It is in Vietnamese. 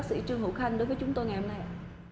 trương hữu khăn đối với chúng tôi ngày hôm nay